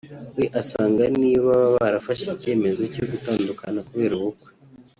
we asanga niyo baba barafashe iki cyemezo cyo gutandukana kubera ubukwe